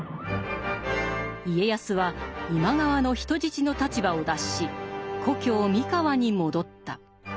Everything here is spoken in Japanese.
家康は今川の人質の立場を脱し故郷三河に戻った。